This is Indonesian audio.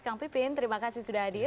kang pipin terima kasih sudah hadir